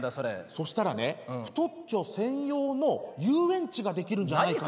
そしたらね太っちょ専用の遊園地が出来るんじゃないかなと思って。